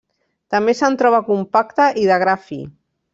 També se'n troba compacta i de gra fi.